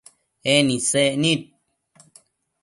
En isec nid